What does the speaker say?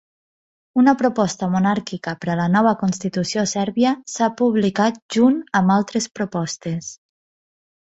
Una proposta monàrquica per a la nova constitució sèrbia s"ha publicat junt amb altres propostes.